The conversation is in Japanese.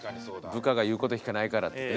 部下が言うこと聞かないからってね